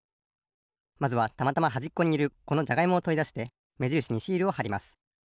まずはたまたまはじっこにいるこのじゃがいもをとりだしてめじるしにシールをはります。